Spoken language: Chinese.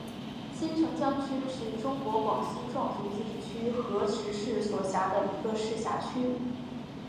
金城江区是中国广西壮族自治区河池市所辖的一个市辖区。